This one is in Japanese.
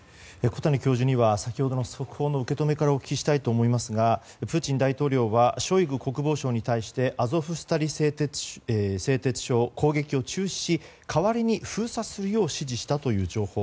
小谷教授には先ほどの速報の受け止めからお聞きしたいと思いますがプーチン大統領はショイグ国防相に対してアゾフスタリ製鉄所の攻撃を中止し代わりに封鎖するよう指示したという情報。